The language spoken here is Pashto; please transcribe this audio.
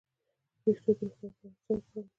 د ویښتو د روغتیا لپاره باید څه وکړم؟